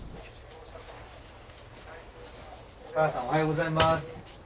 香川さんおはようございます。